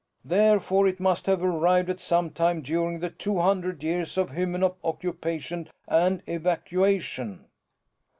Therefore it must have arrived at some time during the two hundred years of Hymenop occupation and evacuation."